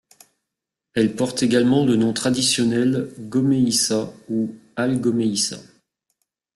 Elle porte également le nom traditionnel Gomeïsa ou al-Gomeïsa.